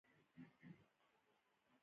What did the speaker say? پوهنتون څه ارزښت لري؟